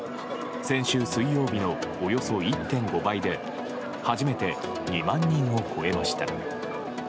先週水曜日のおよそ１．５倍で初めて２万人を超えました。